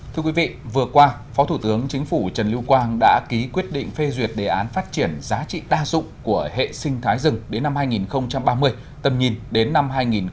thưa quý vị vừa qua phó thủ tướng chính phủ trần lưu quang đã ký quyết định phê duyệt đề án phát triển giá trị đa dụng của hệ sinh thái rừng đến năm hai nghìn ba mươi tầm nhìn đến năm hai nghìn bốn mươi